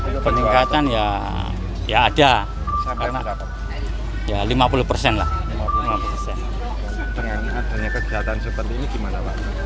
dengan adanya kegiatan seperti ini gimana pak